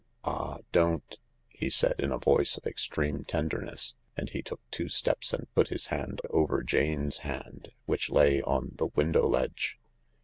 " Ah, don't I " he said, in a voice of extreme tenderness, and he took two steps and put his hand over Jane's hand, which lay on the window ledge.